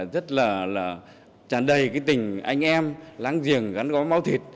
rất là tràn đầy cái tình anh em láng giềng gắn bó máu thịt